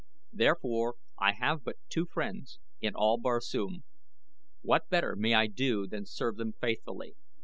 "Therefore I have but two friends in all Barsoom. What better may I do than serve them faithfully?